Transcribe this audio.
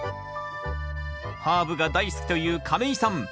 ハーブが大好きという亀井さん。